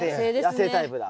野生タイプだ。